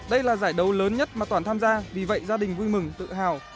đây là giải đấu lớn nhất mà toản tham gia vì vậy gia đình vui mừng tự hào